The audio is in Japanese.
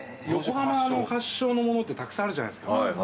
横浜の発祥のものってたくさんあるじゃないですか。